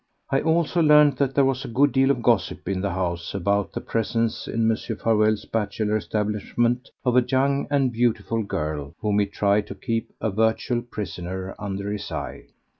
I also learned that there was a good deal of gossip in the house anent the presence in Mr. Farewell's bachelor establishment of a young and beautiful girl, whom he tried to keep a virtual prisoner under his eye.